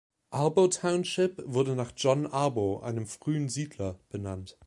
Arbo Township wurde nach John Arbo, einem frühen Siedler, benannt.